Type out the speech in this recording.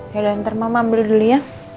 yaudah ntar mama beli dulu ya